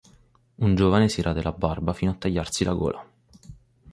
Un giovane si rade la barba fino a tagliarsi la gola.